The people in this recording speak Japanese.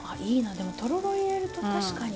でもとろろ入れると確かに。